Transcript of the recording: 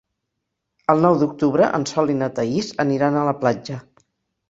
El nou d'octubre en Sol i na Thaís aniran a la platja.